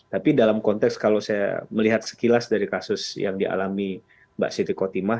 tapi dalam konteks kalau saya melihat sekilas dari kasus yang dialami mbak siti kotimah